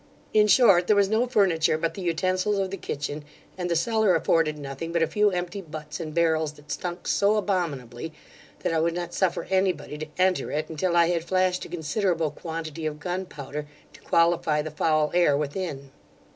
In short, there was no furniture but the utensils of the kitchen; and the cellar afforded nothing but a few empty butts and barrels, that stunk so abominably, that I would not suffer any body to enter it until I had flashed a considerable quantity of gunpowder to qualify the foul air within.